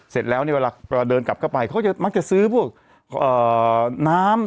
เสร็จแล้วตอนเดินกลับเข้าไปเธอมักจะซื้อพวกน้ำ